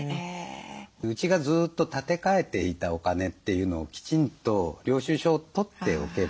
うちがずっと立て替えていたお金というのをきちんと領収書を取っておけば。